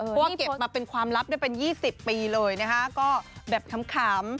เพราะว่าเก็บมาเป็นความลับได้เป็น๒๐ปีเลยนะคะก็แบบขำ